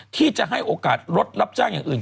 ที่จะให้โอกาสรถรับจ้างอย่างอื่น